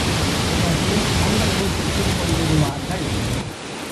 பிறகு தங்கள் வீட்டுக்குப் போய்விடுவார்கள்.